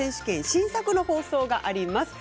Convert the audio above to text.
新作の放送があります。